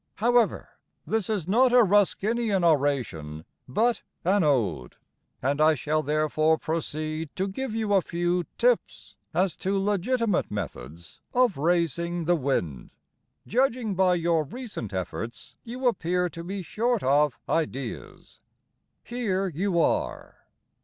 However, this is not a Ruskinian oration, But an Ode, And I shall therefore proceed to give you a few tips As to legitimate methods of raising the wind. Judging by your recent efforts, You appear to be short of ideas. Here you are.